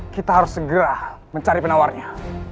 kita harus segera mencari penawarnya